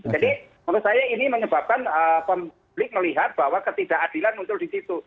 menurut saya ini menyebabkan publik melihat bahwa ketidakadilan muncul di situ